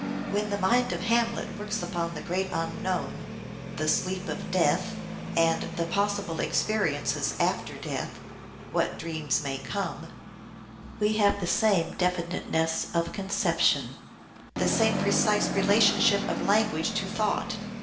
When the mind of Hamlet "THE TEMPEST" 511 works upon the great unknown, the " sleep of death," and the possible experiences after deatn, " what dreams may come," we have the same definiteness of conception, the same precise relationship of language to thought.